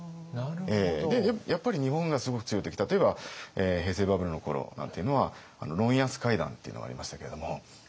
やっぱり日本がすごく強い時例えば平成バブルの頃なんていうのはロン・ヤス会談っていうのがありましたけれども。